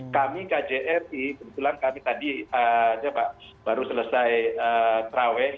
kami kjri kebetulan kami tadi baru selesai terawih